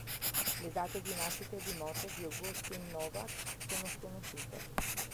Le date di nascita e di morte di Augustin Novak sono sconosciute.